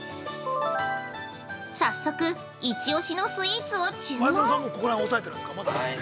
早速一押しのフルーツを注文。